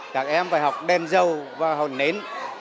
các em phải học đen dâu và học nến